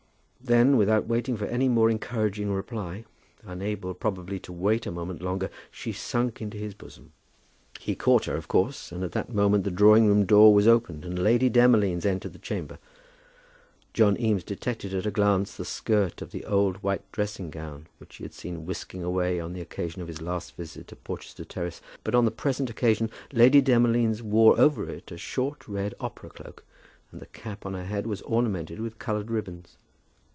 Then, without waiting for any more encouraging reply, unable, probably, to wait a moment longer, she sunk upon his bosom. He caught her, of course, and at that moment the drawing room door was opened, and Lady Demolines entered the chamber. John Eames detected at a glance the skirt of the old white dressing gown which he had seen whisking away on the occasion of his last visit at Porchester Terrace. But on the present occasion Lady Demolines wore over it a short red opera cloak, and the cap on her head was ornamented with coloured ribbons.